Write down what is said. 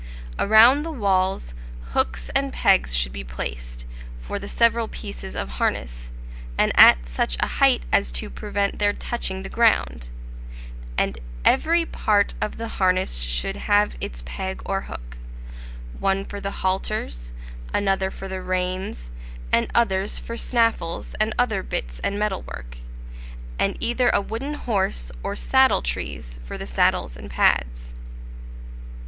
Around the walls, hooks and pegs should be placed, for the several pieces of harness, at such a height as to prevent their touching the ground; and every part of the harness should have its peg or hook, one for the halters, another for the reins, and others for snaffles and other bits and metal work; and either a wooden horse or saddle trees for the saddles and pads.